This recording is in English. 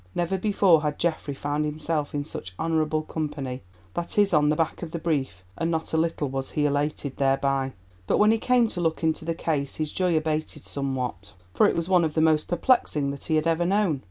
Never before had Geoffrey found himself in such honourable company, that is on the back of a brief, and not a little was he elated thereby. But when he came to look into the case his joy abated somewhat, for it was one of the most perplexing that he had ever known.